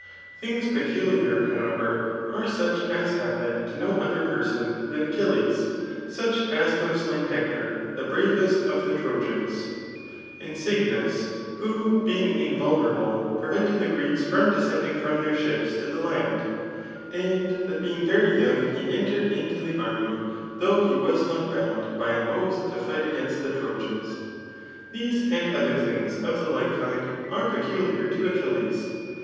Things peculiar, however, are such as happen to no other person, than Achilles ; such as to haye slain Hector the bravest of the Trojans ; and Cygnus, who being invulnerable prevented the Greeks from descending from their ships to the land ; and that being very young he entered into the army, though he was not bound by an oadi to fight against the Trojans. These, and other things of the like kind, are peculiar to Achilles.